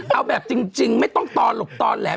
เอาแบบจริงไม่ต้องตอนหลบตอนแหลม